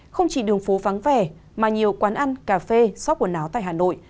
không chỉ đường phố vắng vẻ mà nhiều quán ăn cà phê shop quần áo tại hà nội